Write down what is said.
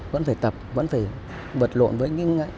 vẫn phải tập vẫn phải vật lộn với những